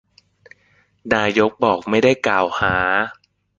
นายก บอกไม่ได้กล่าวหา